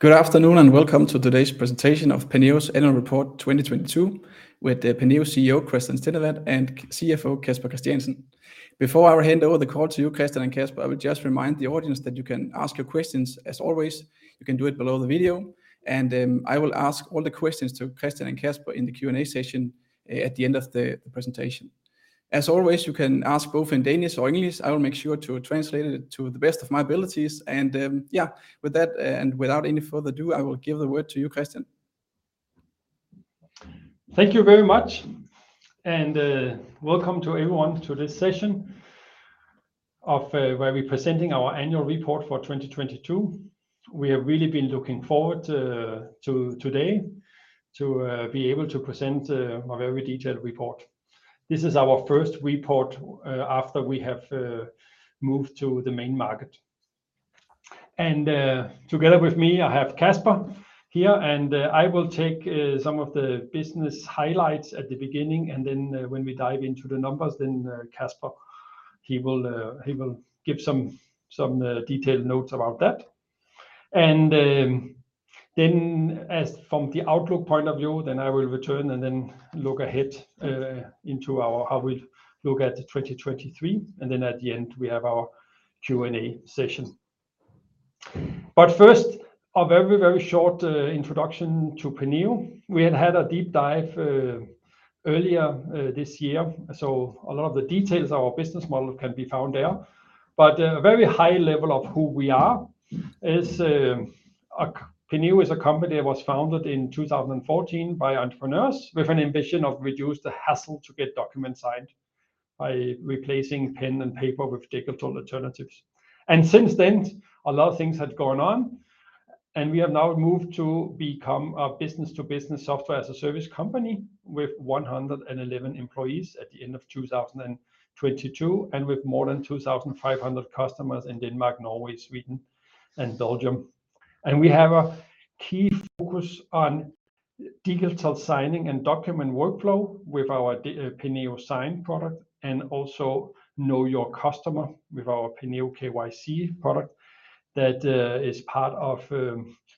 Good afternoon, welcome to today's presentation of Penneo's Annual Report 2022 with the Penneo CEO Christian Stendevad and CFO Casper Christiansen. Before I hand over the call to you, Christian and Casper, I would just remind the audience that you can ask your questions as always. You can do it below the video. I will ask all the questions to Christian and Casper in the Q&A session at the end of the presentation. As always, you can ask both in Danish or English. I will make sure to translate it to the best of my abilities, yeah. Without any further ado, I will give the word to you, Christian. Thank you very much, welcome to everyone to this session of where we're presenting our annual report for 2022. We have really been looking forward to today to be able to present our very detailed report. This is our first report after we have moved to the main market. Together with me, I have Casper here, and I will take some of the business highlights at the beginning, then when we dive into the numbers, then Casper, he will give some detailed notes about that. Then as from the outlook point of view, then I will return and then look ahead into how we look at 2023, and then at the end, we have our Q&A session. First, a very, very short introduction to Penneo. We had a deep dive earlier this year. A lot of the details of our business model can be found there. A very high level of who we are is Penneo is a company that was founded in 2014 by entrepreneurs with an ambition of reduce the hassle to get documents signed by replacing pen and paper with digital alternatives. Since then, a lot of things had gone on, and we have now moved to become a business-to-business Software as a Service company with 111 employees at the end of 2022, and with more than 2,500 customers in Denmark, Norway, Sweden, and Belgium. We have a key focus on digital signing and document workflow with our Penneo Sign product, and also Know Your Customer with our Penneo KYC product that is part of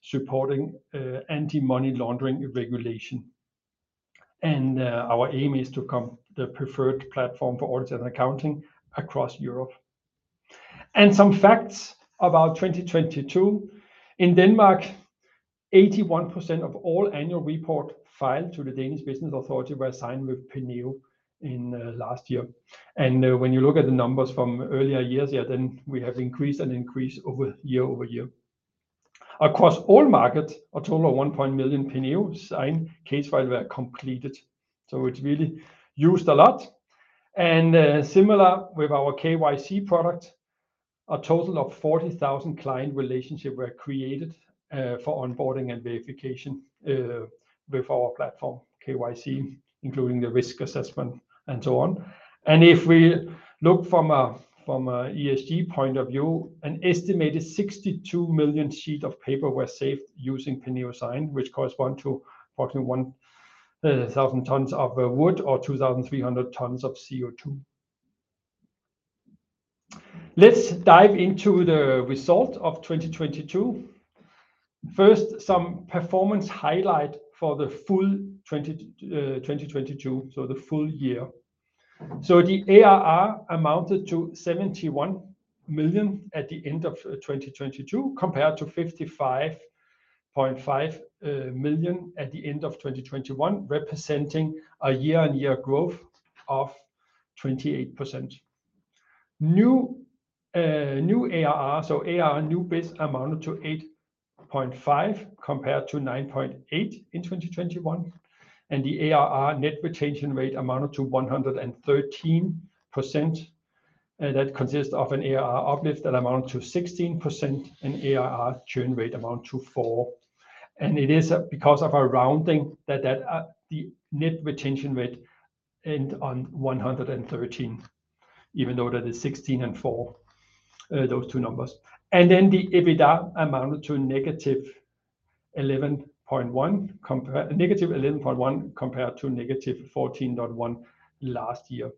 supporting anti-money laundering regulation. Our aim is to become the preferred platform for audits and accounting across Europe. Some facts about 2022. In Denmark, 81% of all annual report filed to the Danish Business Authority were signed with Penneo in last year. When you look at the numbers from earlier years, yeah, then we have increased and increased over year-over-year. Across all markets, a total of 1 million Penneo Sign case files were completed, so it's really used a lot. Similar with our KYC product, a total of 40,000 client relationship were created for onboarding and verification with our platform, KYC, including the risk assessment and so on. If we look from a ESG point of view, an estimated 62 million sheet of paper were saved using Penneo Sign, which correspond to approximately 1,000 tons of wood or 2,300 tons of CO2. Let's dive into the result of 2022. First, some performance highlight for the full 2022, so the full year. The ARR amounted to 71 million at the end of 2022, compared to 55.5 million at the end of 2021, representing a year-on-year growth of 28%. New ARR new biz amounted to 8.5, compared to 9.8 in 2021. The ARR net retention rate amounted to 113%, that consists of an ARR uplift that amount to 16% and ARR churn rate amount to 4%. It is because of our rounding that the net retention rate end on 113, even though that is 16 and 4, those two numbers. The EBITDA amounted to -11.1, compared to -14.1 last year.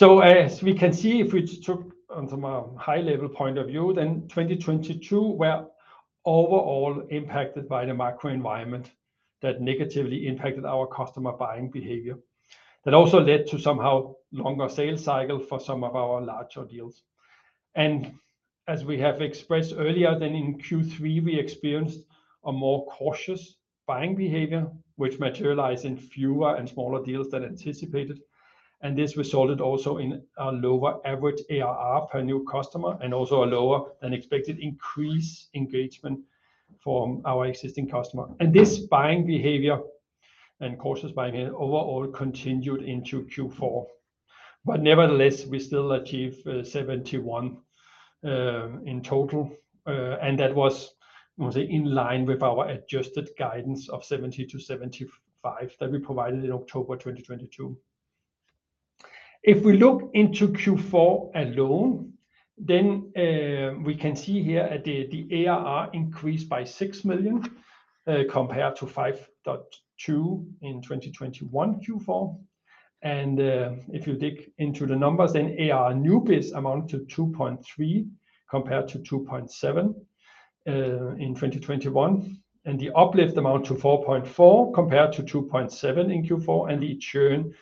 As we can see, if we just took from a high level point of view, then 2022 were overall impacted by the macro environment that negatively impacted our customer buying behavior. That also led to somehow longer sales cycle for some of our larger deals. As we have expressed earlier, then in Q3, we experienced a more cautious buying behavior, which materialized in fewer and smaller deals than anticipated. This resulted also in a lower average ARR per new customer and also a lower-than-expected increased engagement from our existing customer. This buying behavior, and cautious buying behavior, overall continued into Q4. Nevertheless, we still achieve 71 million in total, and that was, I would say, in line with our adjusted guidance of 70 million-75 million that we provided in October 2022. If we look into Q4 alone, then we can see here at the ARR increased by 6 million compared to 5.2 million in 2021 Q4. If you dig into the numbers, then New Business ARR amount to 2.3 compared to 2.7 in 2021. The uplift amount to 4.4 compared to 2.7 in Q4, and the churn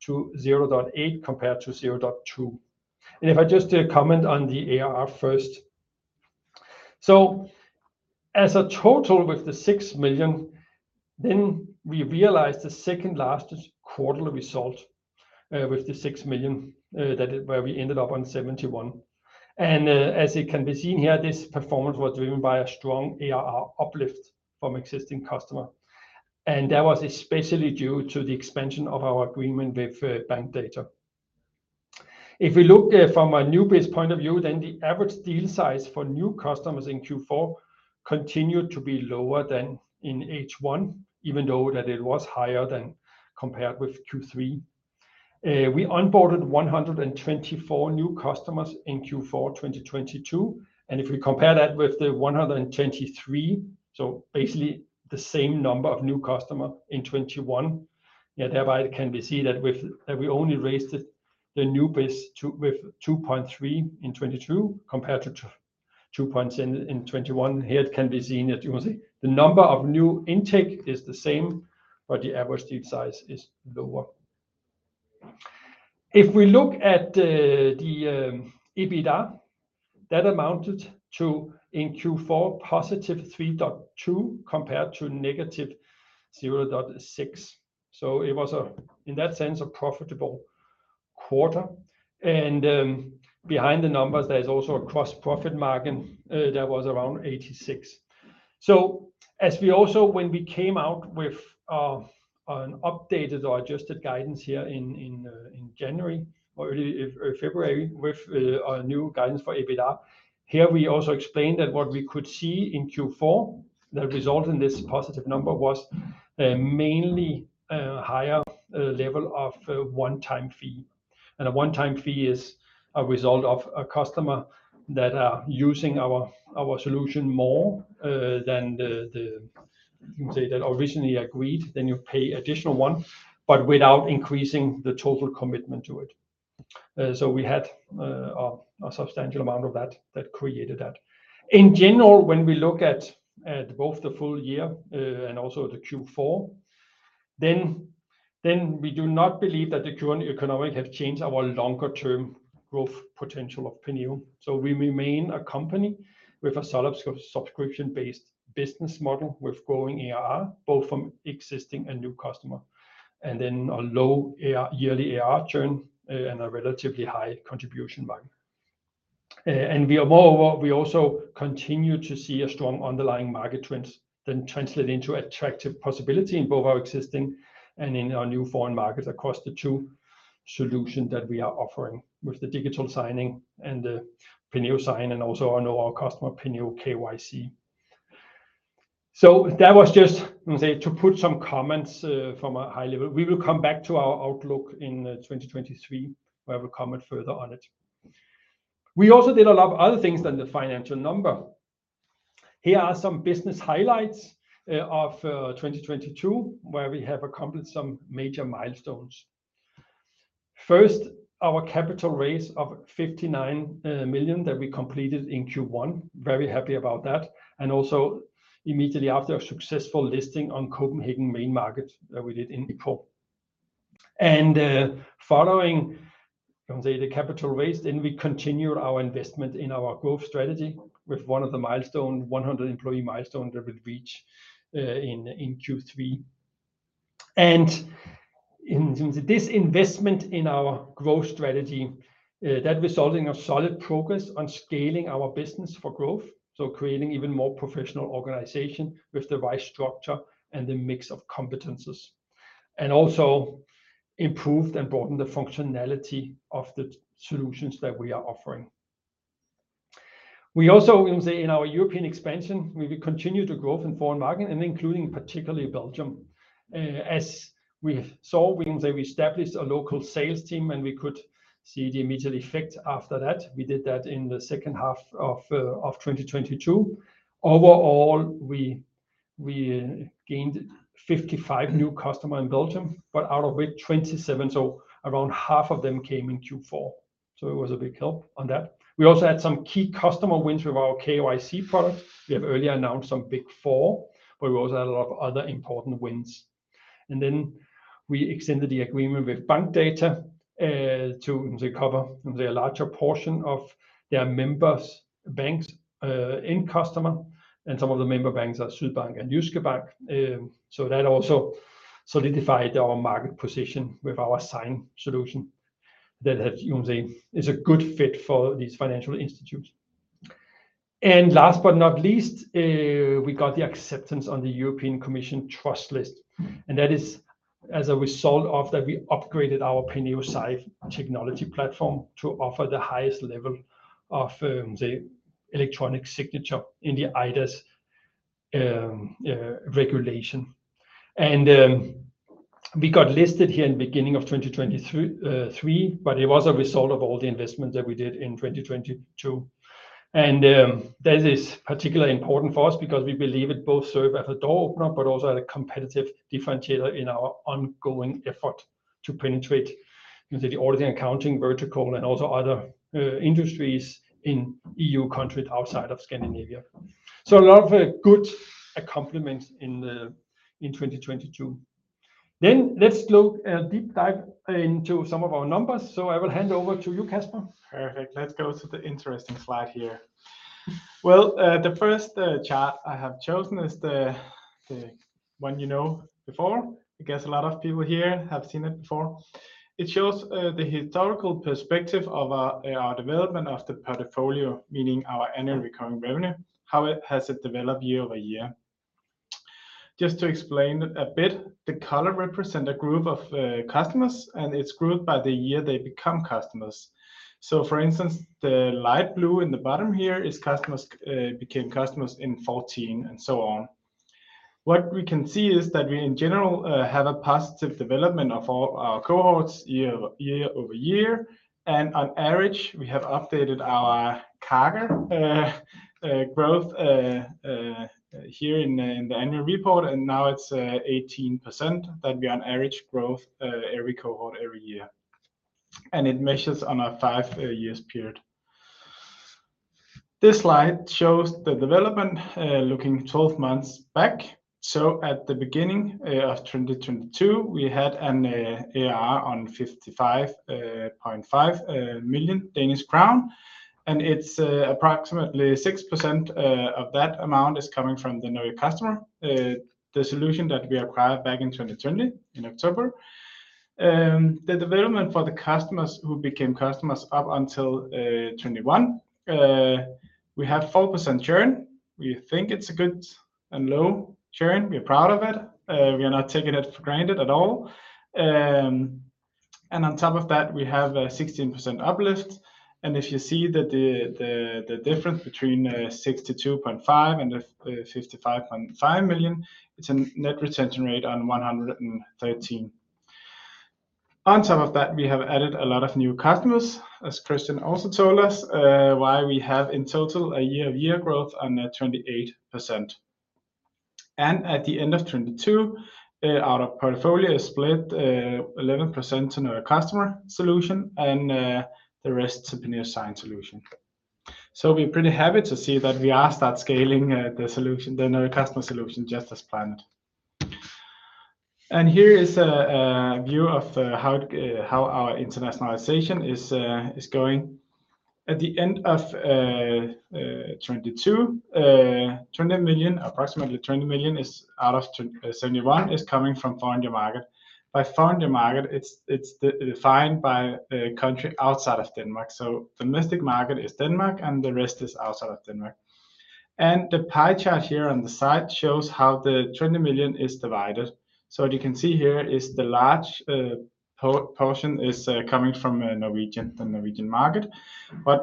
to 0.8 compared to 0.2. If I just comment on the ARR first. As a total with the 6 million, then we realized the second largest quarterly result with the 6 million where we ended up on 71. As it can be seen here, this performance was driven by a strong ARR uplift from existing customer. That was especially due to the expansion of our agreement with Bankdata. If we look from a New Biz point of view, then the average deal size for new customers in Q4 continued to be lower than in H1, even though that it was higher than compared with Q3. We onboarded 124 new customers in Q4 2022, if we compare that with the 123, so basically the same number of new customer in 2021, thereby it can be seen that we only raised the New Biz with 2.3 in 2022 compared to 2.7 in 2021. Here it can be seen that you will see the number of new intake is the same, the average deal size is lower. If we look at the EBITDA, that amounted to, in Q4, +3.2 compared to -0.6. It was a, in that sense, a profitable quarter. Behind the numbers, there's also a Gross Profit Margin that was around 86%. As we also when we came out with an updated or adjusted guidance here in January or February with a new guidance for EBITDA. Here we also explained that what we could see in Q4 that result in this positive number was mainly a higher level of one-time fee. A one-time fee is a result of a customer that are using our solution more than the, you can say, that originally agreed, then you pay additional one, but without increasing the total commitment to it. We had a substantial amount of that created that. In general, when we look at both the full year and also the Q4, then we do not believe that the current economic have changed our longer term growth potential of Penneo. We remain a company with a solid subscription-based business model with growing ARR, both from existing and new customer, and then a low yearly ARR churn and a relatively high Contribution Margin. We also continue to see a strong underlying market trends then translate into attractive possibility in both our existing and in our new foreign markets across the two solution that we are offering with the digital signing and the Penneo Sign and also our know our customer Penneo KYC. That was just, let me say, to put some comments from a high level. We will come back to our outlook in 2023, where we'll comment further on it. We also did a lot of other things than the financial number. Here are some business highlights of 2022, where we have accomplished some major milestones. First, our capital raise of 59 million that we completed in Q1. Very happy about that. Also immediately after a successful listing on Nasdaq Copenhagen Main Market that we did in April. Following, let me say, the capital raise, then we continue our investment in our growth strategy with one of the milestone, 100 employee milestone that we've reached in Q3. In this investment in our growth strategy, that resulting a solid progress on scaling our business for growth, so creating even more professional organization with the right structure and the mix of competences, and also improved and broadened the functionality of the solutions that we are offering. We also, let me say, in our European expansion, we continue to grow from foreign market and including particularly Belgium. As we saw, we can say we established a local sales team, we could see the immediate effect after that. We did that in the second half of 2022. Overall, we gained 55 new customer in Belgium, out of it, 27, so around half of them came in Q4. It was a big help on that. We also had some key customer wins with our KYC product. We have earlier announced some Big Four, but we also had a lot of other important wins. We extended the agreement with Bankdata to cover the larger portion of their members banks end customer, and some of the member banks are Sydbank and Jyske Bank. That also solidified our market position with our Penneo Sign solution that has, you can say, is a good fit for these financial institutes. Last but not least, we got the acceptance on the European Union Trusted List. That is as a result of that we upgraded our Penneo Sign technology platform to offer the highest level of, say, electronic signature in the eIDAS regulation. We got listed here in beginning of 2023, but it was a result of all the investment that we did in 2022. That is particularly important for us because we believe it both serve as a door opener but also as a competitive differentiator in our ongoing effort to penetrate into the audit and accounting vertical and also other industries in EU countries outside of Scandinavia. A lot of good accomplishments in 2022. Let's look a deep dive into some of our numbers. I will hand over to you, Casper. Perfect. Let's go to the interesting slide here. Well, the first chart I have chosen is the one you know before. I guess a lot of people here have seen it before. It shows the historical perspective of our ARR development of the portfolio, meaning our annual recurring revenue, how it has it developed year-over-year. Just to explain a bit, the color represent a group of customers, and it's grouped by the year they become customers. For instance, the light blue in the bottom here is customers became customers in 2014 and so on. What we can see is that we in general have a positive development of all our cohorts year-over-year. On average, we have updated our CAGR growth here in the annual report. Now it's 18% that we on average growth every cohort every year. It measures on a 5-year period. This slide shows the development, looking 12 months back. At the beginning of 2022, we had an ARR on 55.5 million Danish crown. It's approximately 6% of that amount is coming from the new customer, the solution that we acquired back in 2020 in October. The development for the customers who became customers up until 21, we have 4% churn. We think it's a good and low churn. We're proud of it. We are not taking it for granted at all. On top of that we have a 16% uplift. If you see the difference between 62.5 and 55.5 million, it's a Net Retention Rate on 113. On top of that, we have added a lot of new customers, as Christian also told us, why we have in total a year-over-year growth on 28%. At the end of 2022, our portfolio is split, 11% in our customer solution and the rest to Penneo Sign solution. We're pretty happy to see that we are start scaling the solution, the new customer solution just as planned. Here is a view of how our internationalization is going. At the end of 2022, 20 million, approximately 20 million is out of 2021 is coming from foreign new market. By foreign new market, it's defined by a country outside of Denmark. Domestic market is Denmark and the rest is outside of Denmark. And the pie chart here on the side shows how the 20 million is divided. You can see here is the large portion is coming from Norwegian, the Norwegian market.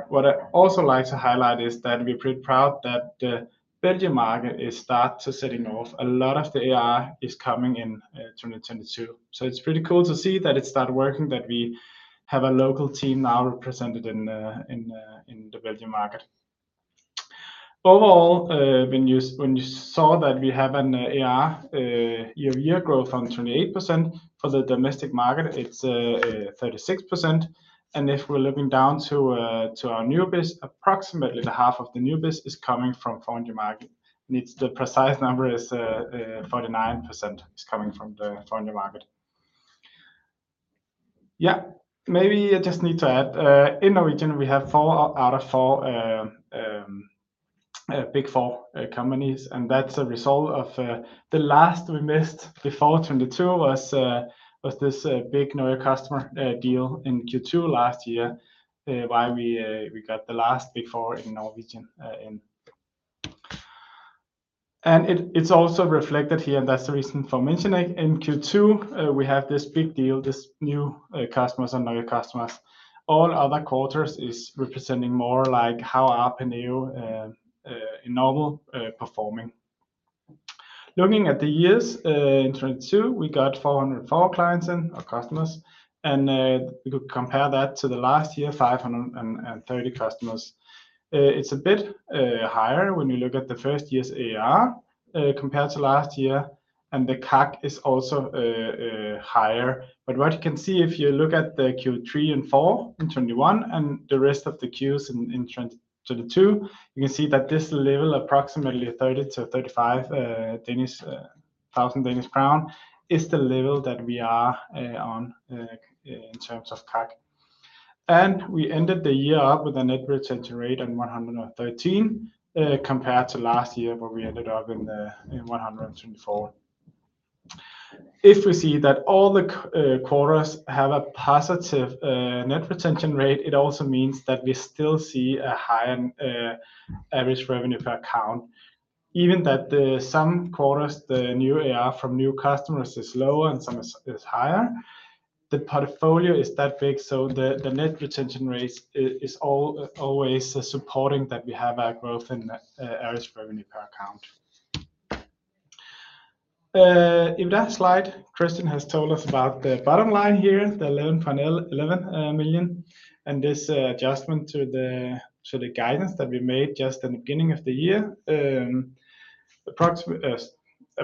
What I also like to highlight is that we're pretty proud that the Belgium market is start to setting off a lot of the ARR is coming in 2022. It's pretty cool to see that it start working, that we have a local team now represented in the Belgium market. Overall, when you saw that we have an ARR year-over-year growth on 28% for the domestic market it's 36%. If we're looking down to our New Biz, approximately the half of the New Biz is coming from foreign new market and the precise number is 49% is coming from the foreign new market. Yeah. Maybe I just need to add, in Norwegian we have four out of four Big Four companies and that's a result of the last we missed before 2022 was this big new customer deal in Q2 last year, why we got the last Big Four in Norwegian in. It's also reflected here and that's the reason for mentioning in Q2, we have this big deal this new customers and new customers all other quarters is representing more like how Penneo in novel performing. Looking at the years, in 2022 we got 404 clients in or customers and we could compare that to the last year, 530 customers. It's a bit higher when you look at the first year's ARR compared to last year and the CAC is also higher but what you can see if you look at the Q3 and 4 in 2021 and the rest of the Qs in 2022, you can see that this level approximately 30,000-35,000 Danish crown is the level that we are on in terms of CAC. We ended the year up with a Net Retention Rate on 113 compared to last year where we ended up in 124. We see that all the quarters have a positive Net Retention Rate, it also means that we still see a high average revenue per account even that the some quarters the new ARR from new customers is lower and some is higher. The portfolio is that big, the Net Retention Rates is always supporting that we have our growth in ARR's revenue per account. In that slide, Christian has told us about the bottom line here, the 11.11 million, this adjustment to the guidance that we made just in the beginning of the year. A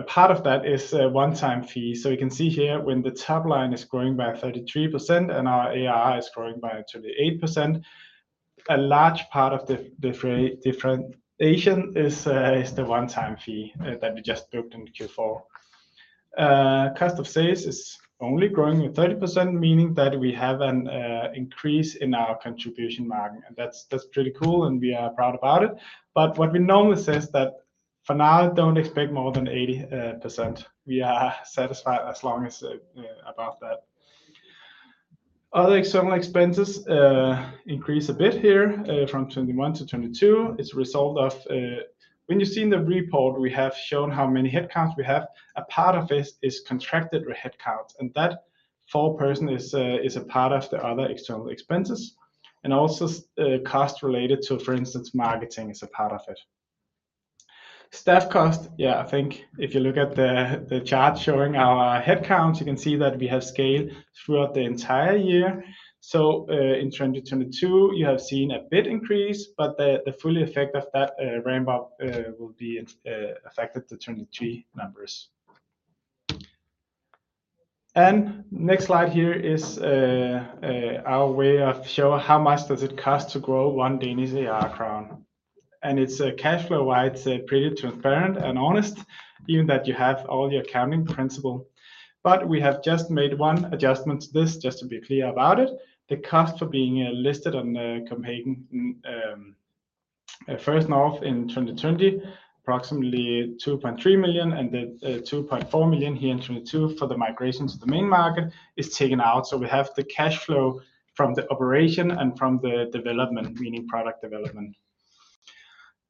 part of that is a one-time fee. You can see here when the top line is growing by 33% and our ARR is growing by 28%, a large part of the differentiation is the one-time fee that we just booked in Q4. Cost of sales is only growing with 30%, meaning that we have an increase in our Contribution Margin, and that's pretty cool, and we are proud about it. What we normally says that for now, don't expect more than 80%. We are satisfied as long as above that. Other external expenses increase a bit here from 2021 to 2022. It's a result of, when you see in the report, we have shown how many headcounts we have. A part of this is contracted headcounts, and that full person is a part of the other external expenses. Also, cost related to, for instance, marketing is a part of it. Staff cost, yeah, I think if you look at the chart showing our headcounts, you can see that we have scaled throughout the entire year. In 2022, you have seen a bit increase, but the full effect of that ramp up will be affected the 2023 numbers. Next slide here is our way of show how much does it cost to grow DRR 1. It's cash flow-wide, so pretty transparent and honest, given that you have all the accounting principle. We have just made one adjustment to this just to be clear about it. The cost for being listed on the Nasdaq First North in 2020, approximately 2.3 million, and the 2.4 million here in 2022 for the migration to the Nasdaq Copenhagen Main Market is taken out. We have the cash flow from the operation and from the development, meaning product development.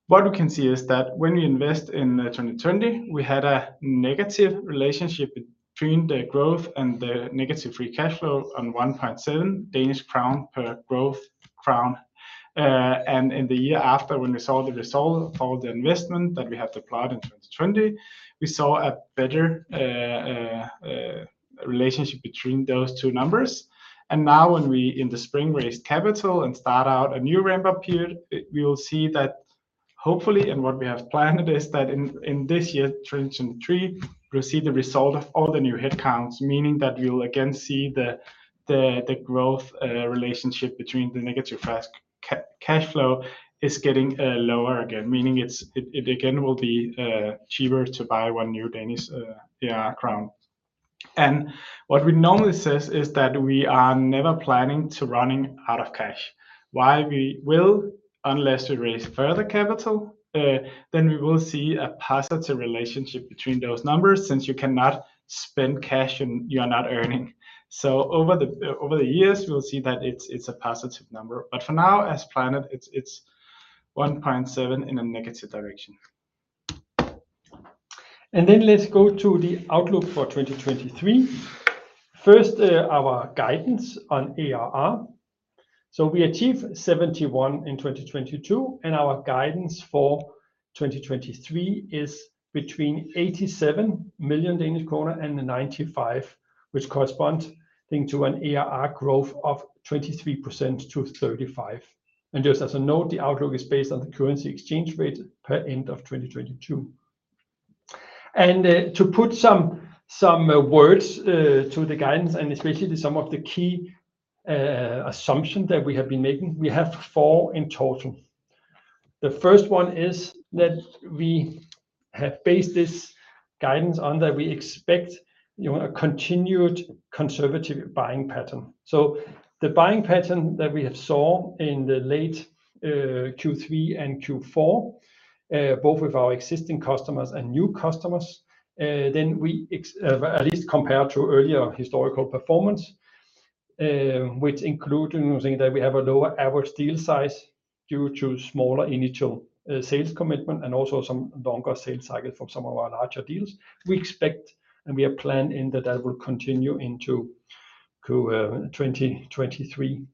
What we can see is that when we invest in 2020, we had a negative relationship between the growth and the negative free cash flow on 1.7 Danish crown per growth DKK. In the year after, when we saw the result of all the investment that we have deployed in 2020, we saw a better relationship between those two numbers. Now when we in the spring raise capital and start out a new ramp-up period, we will see that hopefully, and what we have planned is that in this year, 2023, we'll see the result of all the new headcounts, meaning that we'll again see the growth relationship between the negative fast cash flow is getting lower again, meaning it again will be cheaper to buy 1. What we normally says is that we are never planning to running out of cash. Why? We will, unless we raise further capital, then we will see a positive relationship between those numbers since you cannot spend cash and you are not earning. Over the years, we'll see that it's a positive number. for now, as planned, it's 1.7 in a negative direction. Let's go to the outlook for 2023. First, our guidance on ARR. We achieve 71 in 2022, and our guidance for 2023 is between 87 million Danish kroner and 95 million, which corresponding to an ARR growth of 23%-35%. Just as a note, the outlook is based on the currency exchange rate per end of 2022. To put some words to the guidance, and especially to some of the key assumption that we have been making, we have 4 in total. The first one is that we have based this guidance on that we expect, you know, a continued conservative buying pattern. The buying pattern that we have saw in the late Q3 and Q4, both with our existing customers and new customers, then we, at least compared to earlier historical performance, which including saying that we have a lower average deal size due to smaller initial sales commitment and also some longer sales cycle from some of our larger deals. We expect, and we have planned in that will continue into 2023.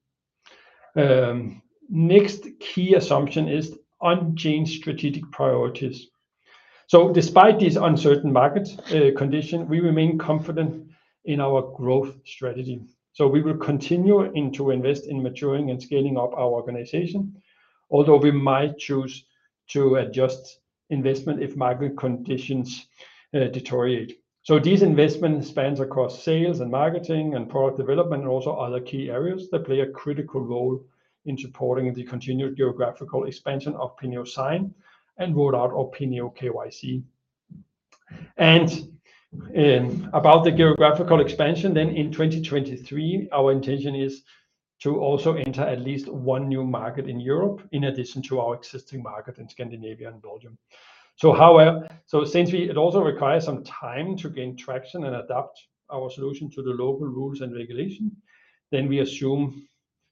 Next key assumption is unchanged strategic priorities. Despite these uncertain market condition, we remain confident in our growth strategy. We will continue and to invest in maturing and scaling up our organization, although we might choose to adjust investment if market conditions deteriorate. These investment spans across sales and marketing and product development and also other key areas that play a critical role in supporting the continued geographical expansion of Penneo Sign and rollout of Penneo KYC. About the geographical expansion, then in 2023, our intention is to also enter at least one new market in Europe, in addition to our existing market in Scandinavia and Belgium. However, since it also requires some time to gain traction and adapt our solution to the local rules and regulation, then we assume,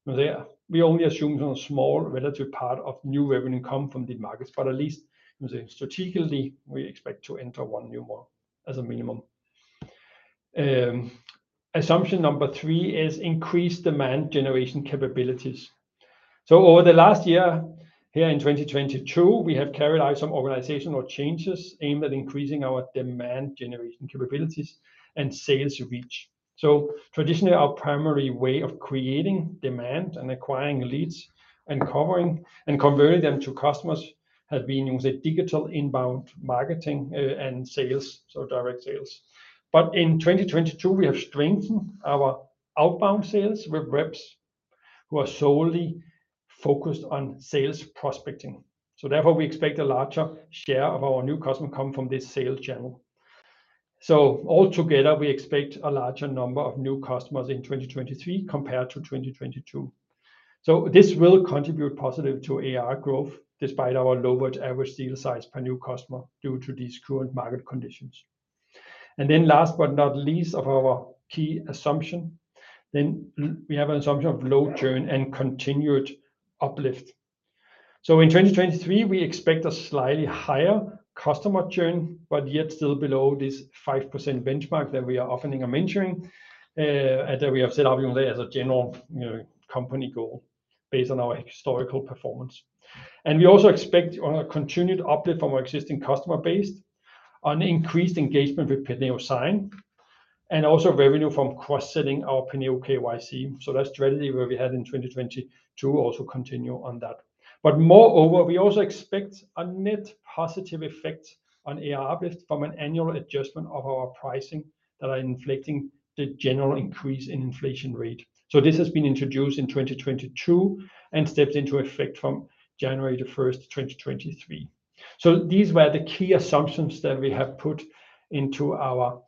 you know, there we only assume a small relative part of new revenue come from the markets, but at least, you know, strategically, we expect to enter one new market as a minimum. Assumption number three is increased demand generation capabilities. Over the last year here in 2022, we have carried out some organizational changes aimed at increasing our demand generation capabilities and sales reach. Traditionally, our primary way of creating demand and acquiring leads and converting them to customers has been using digital inbound marketing and sales, so direct sales. In 2022, we have strengthened our outbound sales with reps who are solely focused on sales prospecting. Therefore, we expect a larger share of our new customers come from this sales channel. All together, we expect a larger number of new customers in 2023 compared to 2022. This will contribute positive to ARR growth despite our lowered average deal size per new customer due to these current market conditions. Last but not least of our key assumption, we have an assumption of low churn and continued uplift. In 2023, we expect a slightly higher customer churn, but yet still below this 5% benchmark that we are often mentioning, and that we have set up as a general, you know, company goal based on our historical performance. We also expect on a continued uplift from our existing customer base on increased engagement with Penneo Sign and also revenue from cross-selling our Penneo KYC. That strategy where we had in 2022 also continue on that. Moreover, we also expect a net positive effect on ARR uplift from an annual adjustment of our pricing that are inflicting the general increase in inflation rate. This has been introduced in 2022 and stepped into effect from January 1st, 2023. These were the key assumptions that we have put into our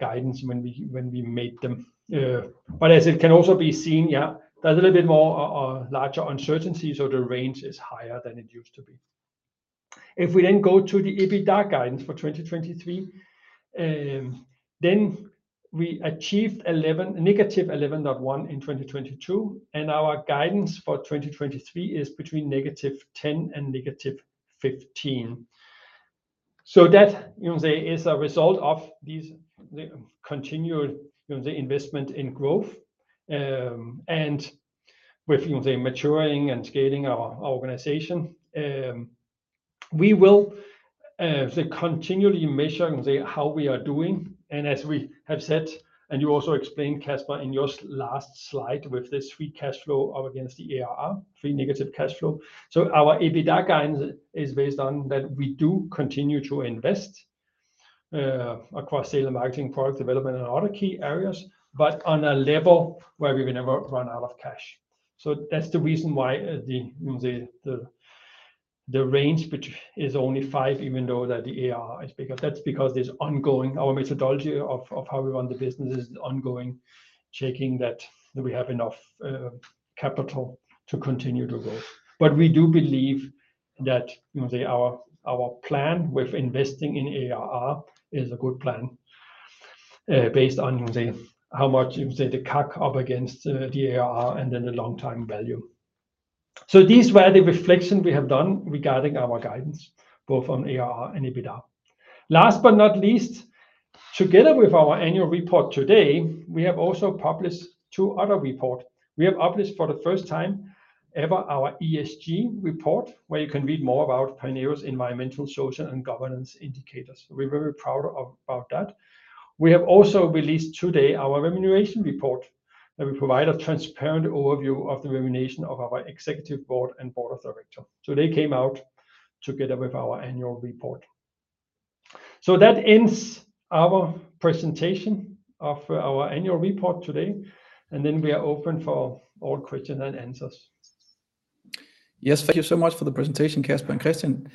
guidance when we made them. As it can also be seen, there's a little bit more or larger uncertainty, so the range is higher than it used to be. If we go to the EBITDA guidance for 2023, we achieved -11.1 in 2022, and our guidance for 2023 is between -10 and -15. That, you can say, is a result of the continued, you know, the investment in growth, and with, you know, the maturing and scaling our organization. We will continually measure and say how we are doing. As we have said, and you also explained, Casper, in your last slide with this free cash flow up against the ARR, free negative cash flow. Our EBITDA guidance is based on that we do continue to invest across sales and marketing, product development, and other key areas, but on a level where we will never run out of cash. That's the reason why the, you know, the range is only 5 even though that the ARR is bigger. That's because there's ongoing. Our methodology of how we run the business is ongoing, checking that we have enough capital to continue to grow. We do believe that, you know, our plan with investing in ARR is a good plan, based on the how much, you know, the CAC up against the ARR and then the long-term value. These were the reflections we have done regarding our guidance, both on ARR and EBITDA. Last but not least, together with our annual report today, we have also published two other report. We have published for the first time ever our ESG report, where you can read more about Penneo's environmental, social, and governance indicators. We're very proud about that. We have also released today our remuneration report, where we provide a transparent overview of the remuneration of our executive board and board of directors. They came out together with our annual report. That ends our presentation of our annual report today, and then we are open for all question and answers. Thank you so much for the presentation, Casper and Christian.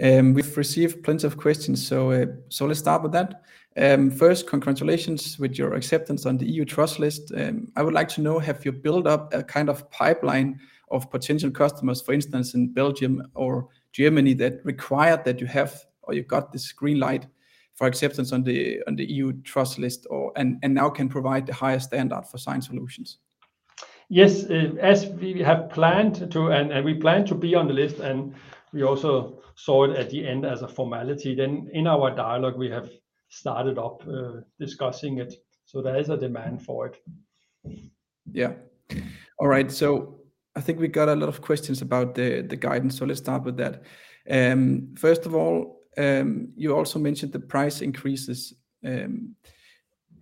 We've received plenty of questions. Let's start with that. First, congratulations with your acceptance on the EU Trust List. I would like to know, have you built up a kind of pipeline of potential customers, for instance, in Belgium or Germany that require that you have or you've got this green light for acceptance on the EU Trust List or, and now can provide the highest standard for sign solutions? Yes. As we have planned to, and we plan to be on the list, and we also saw it at the end as a formality. In our dialogue, we have started up, discussing it, so there is a demand for it. Yeah. All right. I think we got a lot of questions about the guidance. Let's start with that. First of all, you also mentioned the price increases.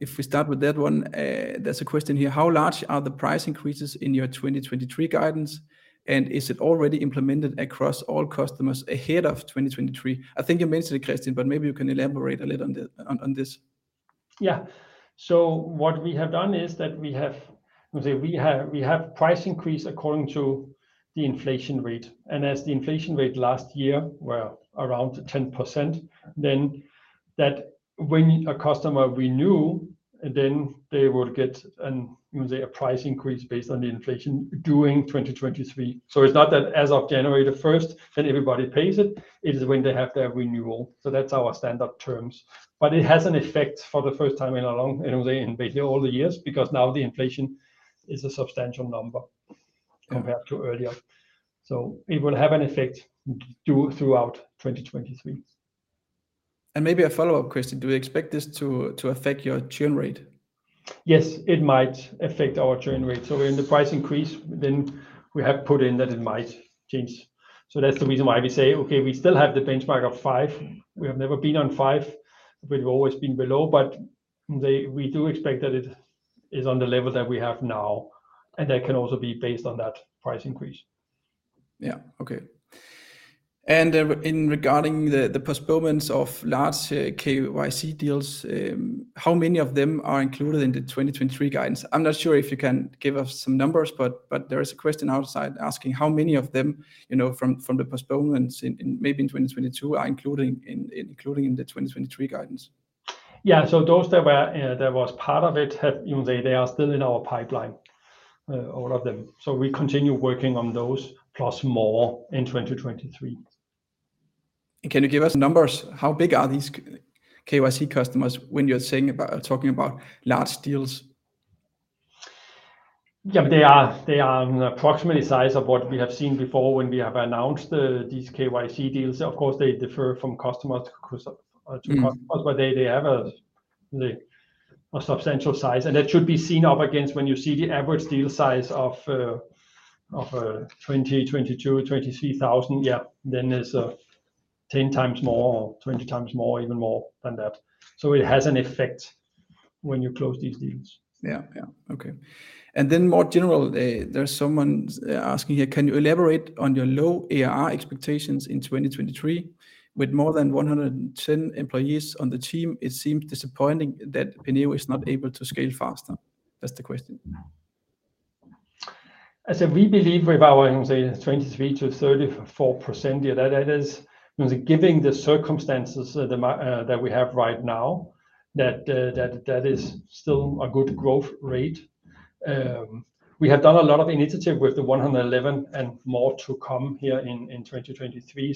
If we start with that one, there's a question here, how large are the price increases in your 2023 guidance, and is it already implemented across all customers ahead of 2023? I think you mentioned it, Christian, but maybe you can elaborate a little on this. What we have done is that we have, you know, we have price increase according to the inflation rate. As the inflation rate last year were around 10%, then that when a customer renew, then they will get an, you know, say, a price increase based on the inflation during 2023. It's not that as of January 1st then everybody pays it. It is when they have their renewal. That's our standard terms. It has an effect for the first time in a long, you know, in basically all the years because now the inflation is a substantial number. Compared to earlier. It will have an effect throughout 2023. Maybe a follow-up question. Do you expect this to affect your churn rate? Yes, it might affect our churn rate. In the price increase then we have put in that it might change. That's the reason why we say, okay, we still have the benchmark of five. We have never been on five. We've always been below, but we do expect that it is on the level that we have now, and that can also be based on that price increase. Yeah. Okay. In regarding the postponements of large KYC deals, how many of them are included in the 2023 guidance? I'm not sure if you can give us some numbers, but there is a question outside asking how many of them, you know, from the postponements in maybe in 2022 are including in the 2023 guidance. Yeah. Those that were, that was part of it have, you know, they are still in our pipeline, all of them. We continue working on those plus more in 2023. Can you give us numbers? How big are these KYC customers when you're talking about large deals? Yeah. They are approximately size of what we have seen before when we have announced these KYC deals. Of course, they differ from customers to customers. Mm-hmm They have a substantial size, and that should be seen up against when you see the average deal size of 20,000, 22,000, 23,000. Yeah. There's 10 times more or 20 times more, even more than that. It has an effect when you close these deals. Yeah. Yeah. Okay. Then more general, there's someone asking here, can you elaborate on your low ARR expectations in 2023? With more than 110 employees on the team, it seems disappointing that Penneo is not able to scale faster. That's the question. As said, we believe with our, I would say, 23%-34%, yeah, that is, you know, saying giving the circumstances that we have right now, that is still a good growth rate. We have done a lot of initiative with the 111 and more to come here in 2023.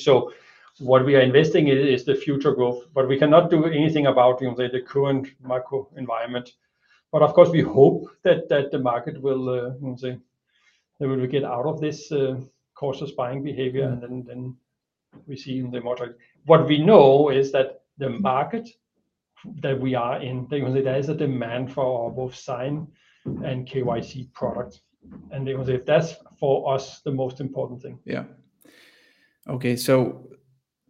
What we are investing in is the future growth, but we cannot do anything about, you know, the current macro environment. Of course, we hope that the market will, I would say, they will get out of this cautious buying behavior. Yeah... and then we see the more trade. What we know is that the market that we are in, you know, say there is a demand for our both Sign and KYC products, and they would say if that's for us, the most important thing. Yeah. Okay.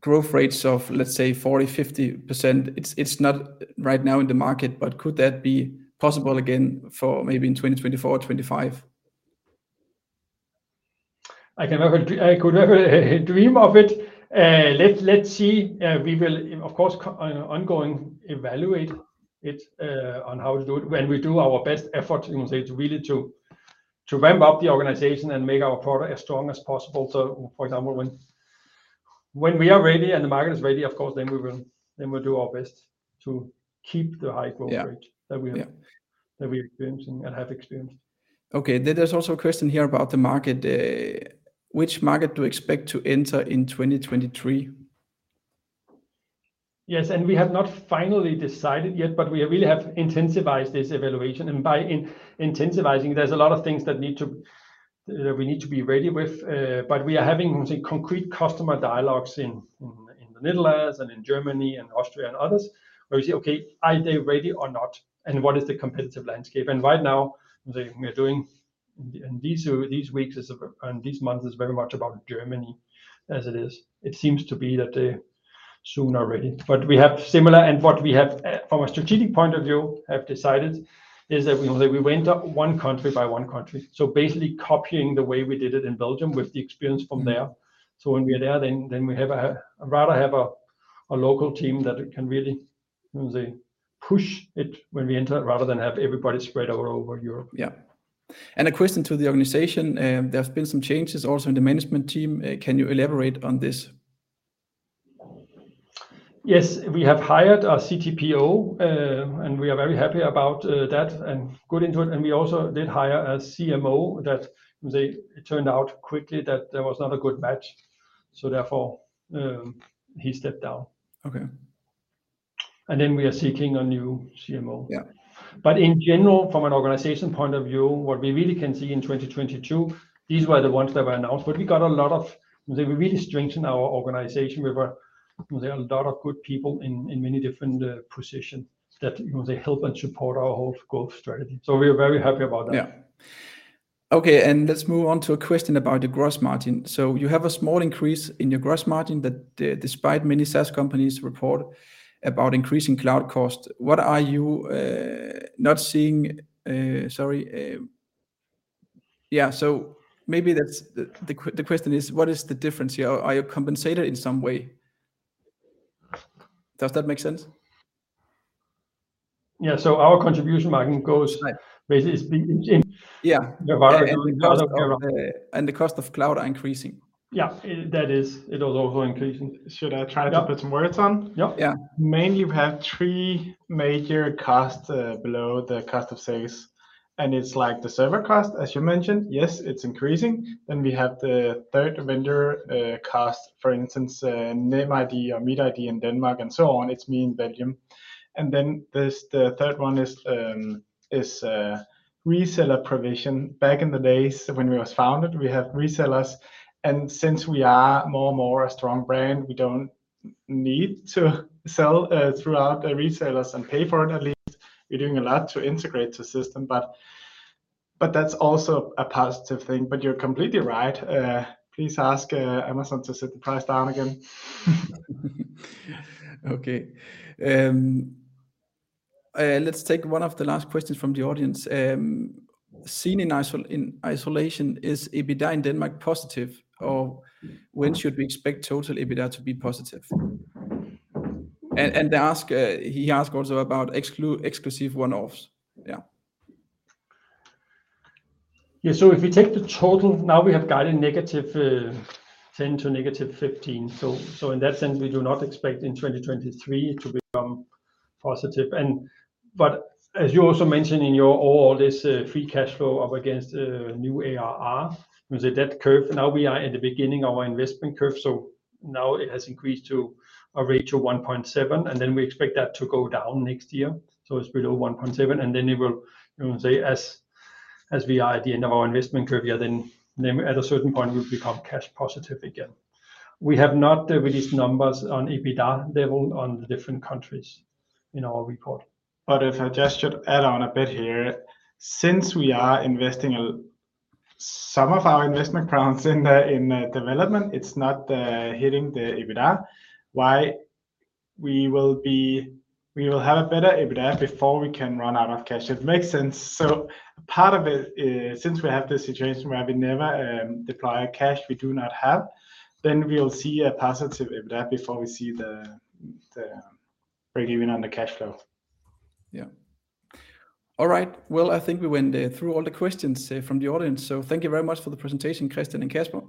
growth rates of, let's say, 40%, 50%, it's not right now in the market, but could that be possible again for maybe in 2024, 2025? I could never dream of it. Let's see. We will, of course, on ongoing evaluate it on how to do it when we do our best effort, you can say, to really to ramp up the organization and make our product as strong as possible. For example, when we are ready and the market is ready, of course, then we'll do our best to keep the high growth rate. Yeah. Yeah. that we have, that we're experiencing and have experienced. Okay. There's also a question here about the market. Which market do you expect to enter in 2023? Yes, we have not finally decided yet, but we really have intensified this evaluation, and by intensifying, there's a lot of things that need to, we need to be ready with. We are having, say, concrete customer dialogues in the Netherlands and in Germany and Austria and others where we say, okay, are they ready or not, and what is the competitive landscape? Right now, these weeks is, and these months is very much about Germany as it is. It seems to be that they soon are ready. What we have, from a strategic point of view, have decided is that we, you know, we went one country by one country. Basically copying the way we did it in Belgium with the experience from there. When we are there, then we rather have a local team that can really, you know what I'm saying, push it when we enter it rather than have everybody spread all over Europe. Yeah. A question to the organization. There have been some changes also in the management team. Can you elaborate on this? Yes. We have hired a CTPO, and we are very happy about that and good into it. We also did hire a CMO, it turned out quickly that there was not a good match, so therefore, he stepped down. Okay. We are seeking a new CMO. Yeah. In general, from an organization point of view, what we really can see in 2022, these were the ones that were announced. We got a lot of, you know, we really strengthened our organization. There are a lot of good people in many different positions that, you know, they help and support our whole growth strategy. We are very happy about that. Yeah. Okay, let's move on to a question about the gross margin. You have a small increase in your gross margin that despite many SaaS companies report about increasing cloud costs, what are you not seeing? Sorry. Yeah, maybe that's the question is what is the difference here? Are you compensated in some way? Does that make sense? Yeah. Our Contribution Margin goes- Right basically it's in. Yeah the environment Yeah. The cost of cloud are increasing. Yeah. That is, it is also increasing. Should I try to put some words on? Yeah. Yeah. Mainly, you have three major costs below the cost of sales, and it's like the server cost, as you mentioned. Yes, it's increasing. We have the 3rd vendor cost, for instance, NemID or MitID in Denmark and so on. itsme in Belgium. There's the 3rd one is reseller provision. Back in the days when we was founded, we have resellers, and since we are more and more a strong brand, we don't need to sell throughout the resellers and pay for it. At least we're doing a lot to integrate the system. That's also a positive thing. You're completely right. Please ask Amazon to set the price down again. Okay. Let's take one of the last questions from the audience. Seen in isolation is EBITDA in Denmark positive or when should we expect total EBITDA to be positive? He asks also about exclusive one-offs. Yeah. If you take the total, now we have guided -10% to -15%. So in that sense we do not expect in 2023 to become positive. As you also mentioned in your overall, this free cash flow up against new ARR with the debt curve. Now we are in the beginning of our investment curve, so now it has increased to a rate of 1.7. We expect that to go down next year, it's below 1.7. It will, you know, say as we are at the end of our investment curve here, then at a certain point we become cash positive again. We have not released numbers on EBITDA level on the different countries in our report. If I just should add on a bit here. Since we are investing some of our investment rounds in the, in the development, it's not hitting the EBITDA. Why? We will have a better EBITDA before we can run out of cash, if it makes sense. Part of it is since we have this situation where we never deploy a cash we do not have, then we'll see a positive EBITDA before we see the break-even on the cash flow. Yeah. All right. Well, I think we went through all the questions from the audience. Thank you very much for the presentation, Christian and Casper.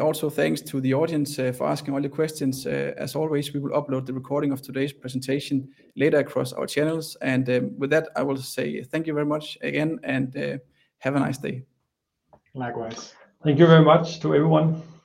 Also thanks to the audience for asking all the questions. As always, we will upload the recording of today's presentation later across our channels. With that, I will say thank you very much again, and have a nice day. Likewise. Thank you very much to everyone.